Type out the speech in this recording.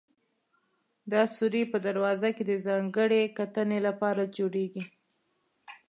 دا سورى په دروازه کې د ځانګړې کتنې لپاره جوړېږي.